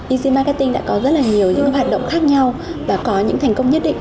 easy marketing đã có rất là nhiều những hoạt động khác nhau và có những thành công nhất định